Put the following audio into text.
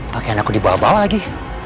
pake anakku dibawa bawa lagi